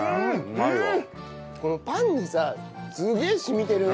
このパンにさすげえ染みてるね。